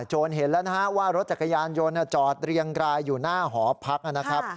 เห็นแล้วนะฮะว่ารถจักรยานยนต์จอดเรียงรายอยู่หน้าหอพักนะครับ